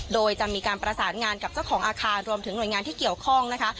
โดยจะมีการประสานงานกับเจ้าของอาคารรวมถึงหน่วยงานที่เกี่ยวข้องนะคะ